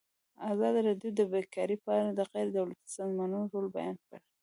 ازادي راډیو د بیکاري په اړه د غیر دولتي سازمانونو رول بیان کړی.